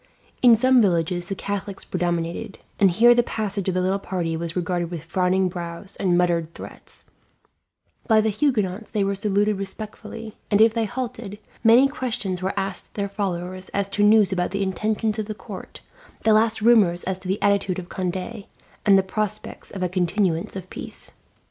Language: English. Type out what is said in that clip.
In some villages the Catholics predominated, and here the passage of the little party was regarded with frowning brows and muttered threats; by the Huguenots they were saluted respectfully, and if they halted, many questions were asked their followers as to news about the intentions of the court, the last rumours as to the attitude of Conde, and the prospects of a continuance of peace.